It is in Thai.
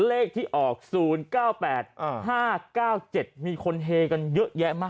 เลขที่ออกศูนย์เก้าแปดเอ่อห้าเก้าเจ็ดมีคนเฮกันเยอะแยะมาก